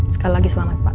sekali lagi selamat pak